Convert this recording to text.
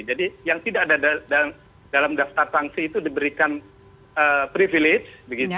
jadi yang tidak ada dalam daftar sanksi itu diberikan privilege